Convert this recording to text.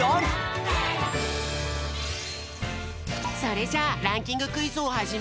それじゃあランキングクイズをはじめるよ！